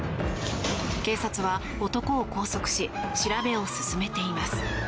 警察は男を拘束し調べを進めています。